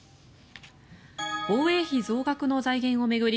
防衛費増額の財源を巡り